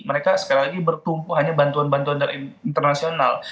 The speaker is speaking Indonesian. mereka sekali lagi bertumpu hanya bantuan bantuan dari internasional